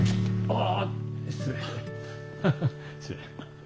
ああ。